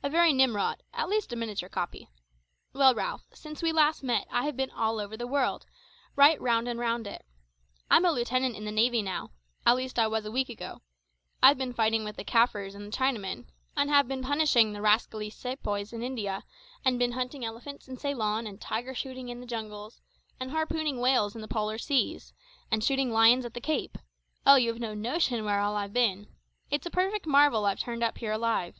A very Nimrod at least a miniature copy. Well, Ralph, since we last met I have been all over the world, right round and round it. I'm a lieutenant in the navy now at least I was a week ago. I've been fighting with the Kaffirs and the Chinamen, and been punishing the rascally sepoys in India, and been hunting elephants in Ceylon and tiger shooting in the jungles, and harpooning whales in the polar seas, and shooting lions at the Cape; oh, you've no notion where all I've been. It's a perfect marvel I've turned up here alive.